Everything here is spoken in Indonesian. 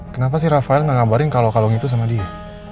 kenapa sih rafael ngabarin kalau kalung itu sama dia